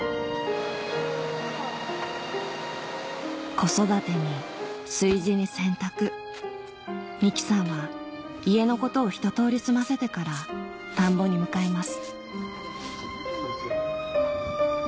子育てに炊事に洗濯美樹さんは家のことを一通り済ませてから田んぼに向かいます